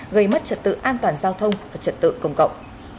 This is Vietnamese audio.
gây mất trật tự an toàn giao thông và trật tự công cộng